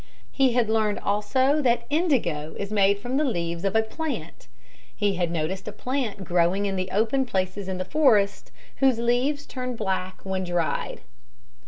He had learned also that indigo is made from the leaves of a plant. He had noticed a plant growing in the open places in the forest whose leaves turned black when dried.